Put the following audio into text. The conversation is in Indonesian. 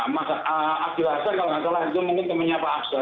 masa agil aksa kalau tidak salah itu mungkin temennya pak aksa